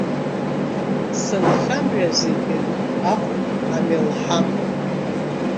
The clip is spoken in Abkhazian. Сынхамҩа зегьы ахә амелҳам!